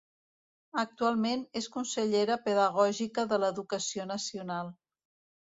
Actualment és consellera pedagògica de l’Educació nacional.